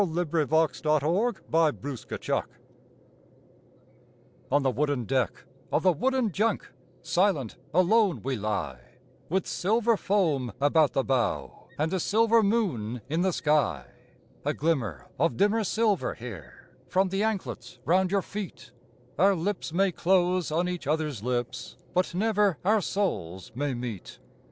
Hira Singh's Farewell to Burmah On the wooden deck of the wooden Junk, silent, alone, we lie, With silver foam about the bow, and a silver moon in the sky: A glimmer of dimmer silver here, from the anklets round your feet, Our lips may close on each other's lips, but never our souls may meet.